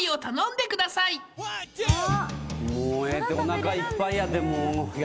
もうええっておなかいっぱいやってもう逆に。